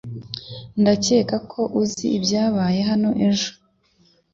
Ndakeka ko uzi ibyabaye hano ejo